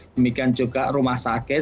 demikian juga rumah sakit